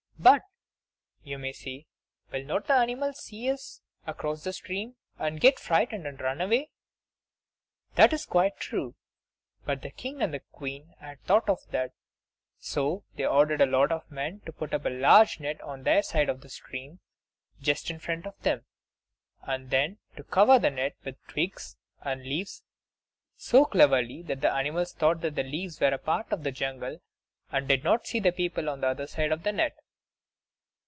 "But," you may say, "will not the animals see us across the stream, and get frightened and run away?" That is quite true. But the King and Queen had thought of that. So they ordered a lot of men to put a large net on their side of the stream, just in front of them, and then to cover the net with twigs and leaves so cleverly that the animals thought the leaves were a part of the jungle, and did not see the people on the other side of the net.